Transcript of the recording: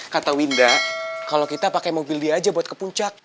kata winda kalau kita pakai mobil dia aja buat ke puncak